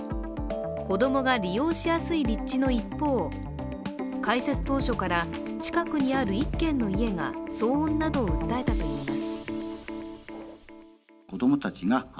子供が利用しやすい立地の一方開設当初から近くにある１軒の家が騒音などを訴えたといいます。